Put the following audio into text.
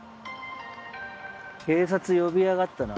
警察呼びやがったな？